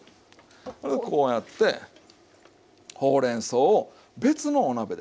これをこうやってほうれんそうを別のお鍋で。